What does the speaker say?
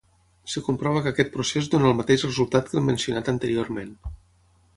Es comprova que aquest procés dóna el mateix resultat que el mencionat anteriorment.